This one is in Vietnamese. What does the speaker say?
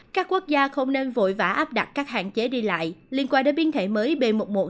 các quốc gia không nên vội vã áp đặt các hạn chế đi lại liên quan đến biến thể mới b một một năm trăm hai mươi chín